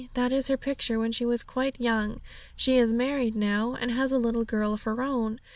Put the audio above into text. That is her picture when she was quite young: she is married now, and has a little girl of her own.